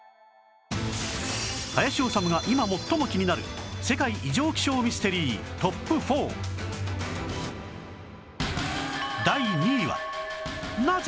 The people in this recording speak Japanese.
林修が今最も気になる世界異常気象ミステリー ＴＯＰ４第２位はなぜ？